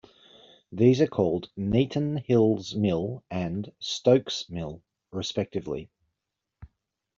These are called Kneeton Hills Mill and Stokes' Mill respectively.